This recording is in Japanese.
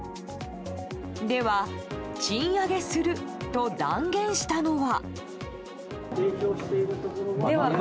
では、賃上げすると断言したのは？